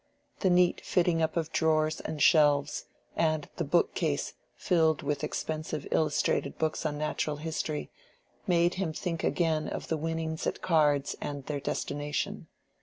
The neat fitting up of drawers and shelves, and the bookcase filled with expensive illustrated books on Natural History, made him think again of the winnings at cards and their destination.